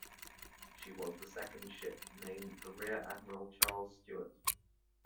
She was the second ship named for Rear Admiral Charles Stewart.